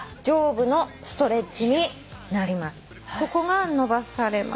ここが伸ばされます。